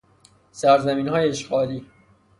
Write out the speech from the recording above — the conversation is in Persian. سرزمینهای اشغالی